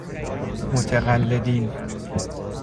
متقلدین